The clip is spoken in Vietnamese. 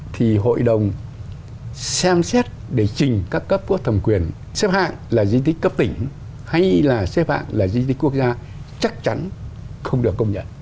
thì hội đồng xem xét để trình các cấp có thẩm quyền xếp hạng là di tích cấp tỉnh hay là xếp hạng là di tích quốc gia chắc chắn không được công nhận